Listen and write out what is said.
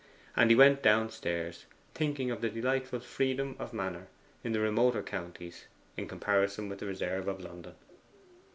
And he went downstairs, thinking of the delightful freedom of manner in the remoter counties in comparison with the reserve of London.